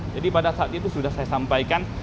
jadi pada saat itu sudah saya sampaikan